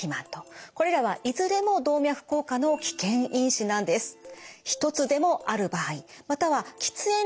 これらはいずれも動脈硬化の危険因子なんです。